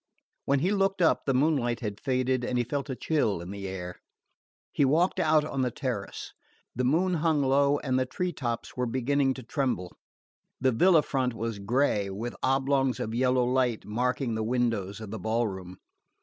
When he looked up the moonlight had faded and he felt a chill in the air. He walked out on the terrace. The moon hung low and the tree tops were beginning to tremble. The villa front was grey, with oblongs of yellow light marking the windows of the ball room.